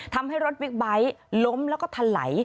ทำให้รถบิ๊กไบท์ล้มแล้วก็ทะไหล